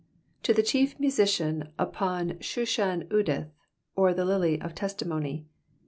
To the Chief Musician upon Shushan eduth, or the LUy of Testimony.